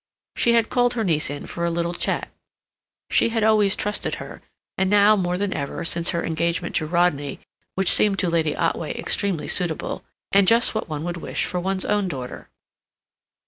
She had called her niece in for a little chat. She had always trusted her, and now more than ever, since her engagement to Rodney, which seemed to Lady Otway extremely suitable, and just what one would wish for one's own daughter.